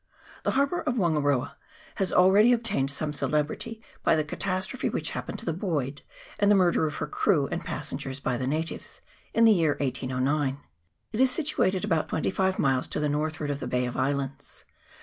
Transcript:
THE harbour of Wangaroa has already obtained some celebrity by the catastrophe which happened to the Boyd, and the murder of her crew and pas v sengers by the natives, in the year 1809. It is situated about twenty five miles to the northward of the Bay of Islands.